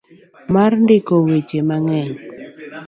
mar ndiko weche mang'eny.